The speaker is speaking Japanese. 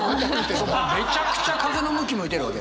めちゃくちゃ風の向き向いてるわけ。